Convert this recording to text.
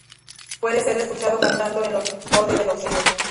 Puede ser escuchado cantando en los borde de los ríos.